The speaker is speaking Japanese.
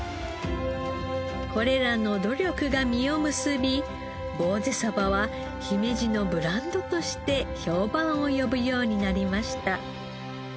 これらの努力が実を結びぼうぜは姫路のブランドとして評判を呼ぶようになりました。